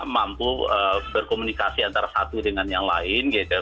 mampu berkomunikasi antara satu dengan yang lain gitu